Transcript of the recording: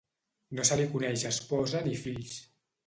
No se li coneix esposa ni fills.